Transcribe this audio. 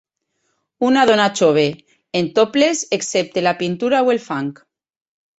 Una dona jove, en topless, excepte la pintura o el fang.